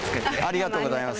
ありがとうございます。